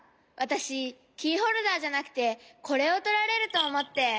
わたしキーホルダーじゃなくてこれをとられるとおもって。